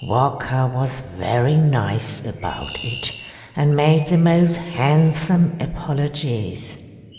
Walker was very nice about it, and made the most handsome apologies.